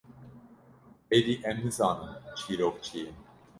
êdî em nizanin çîrok çi ye.